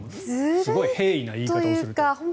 すごく平易な言い方をすると。